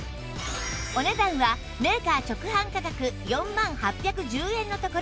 お値段はメーカー直販価格４万８１０円のところ